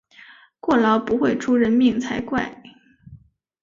过劳不会出人命